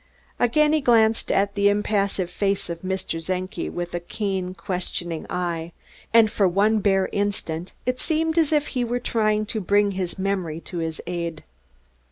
Again he glanced at the impassive face of Mr. Czenki with keen, questioning eyes; and for one bare instant it seemed as if he were trying to bring his memory to his aid.